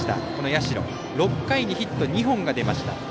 社、６回にヒット２本が出ました。